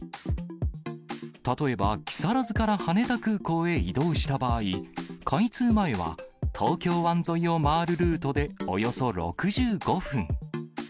例えば、木更津から羽田空港へ移動した場合、開通前は、東京湾沿いを回るルートで、およそ６５分。